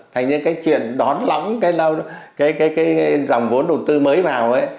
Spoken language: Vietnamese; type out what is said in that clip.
thành ra cái chuyện đón lõng cái dòng vốn đầu tư mới vào ấy